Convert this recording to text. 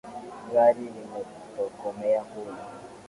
Gari limetokomea kule